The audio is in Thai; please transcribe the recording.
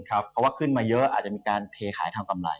เพราะว่าขึ้นมาเยอะอาจจะมีการเทขายทางกำไร